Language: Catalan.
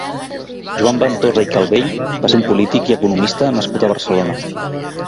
Joan Ventosa i Calvell va ser un polític i economista nascut a Barcelona.